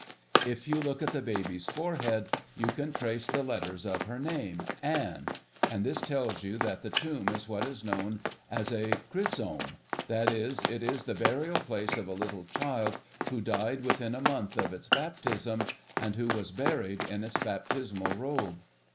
If you look at the baby's forehead you can trace the letters of her name, 'Anne'; and this tells you that the tomb is what is known as a 'chrysome' that is, it is the burial place of a little child who died within a month of its baptism, and who was buried in its baptismal robe.